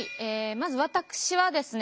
まず私はですね